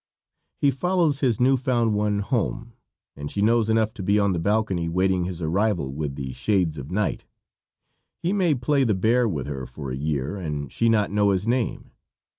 He follows his new found one home, and she knows enough to be on the balcony awaiting his arrival with the shades of night. He may play the bear with her for a year and she not know his name.